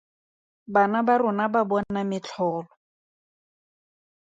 Bana ba rona ba bona metlholo.